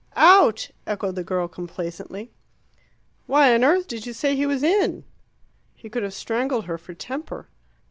"Out," echoed the girl complacently. "Why on earth did you say he was in?" He could have strangled her for temper.